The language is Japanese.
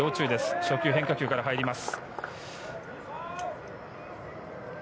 初球、変化球から入ります。